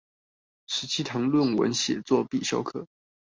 十七堂論文寫作必修課